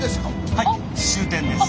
はい終点です。